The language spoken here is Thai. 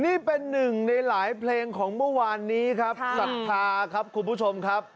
นี่เป็นหนึ่งในหลายเพลงของเมื่อวานนี้ครับศรัทธาครับคุณผู้ชมครับ